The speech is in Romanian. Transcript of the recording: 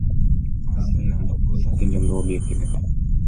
Astfel, ne-am propus să atingem două obiective.